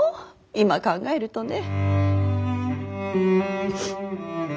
今考えるとね。